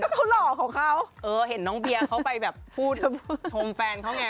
เขาหล่อของเขาเออเห็นน้องเบียร์เขาไปแบบพูดชมแฟนเขาไง